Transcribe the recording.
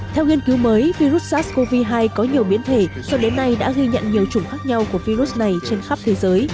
theo nghiên cứu mới virus sars cov hai có nhiều biến thể cho đến nay đã ghi nhận nhiều chủng khác nhau của virus này trên khắp thế giới